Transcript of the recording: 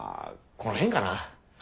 この辺かな。